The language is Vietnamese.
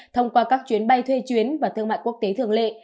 thông qua các chuyến bay thuê chuyến và thương mại quốc tế thường lệ